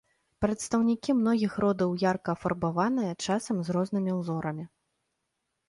Прадстаўнікі многіх родаў ярка афарбаваныя, часам з рознымі ўзорамі.